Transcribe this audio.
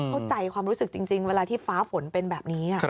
เข้าใจความรู้สึกจริงเวลาที่ฟ้าฝนเป็นแบบนี้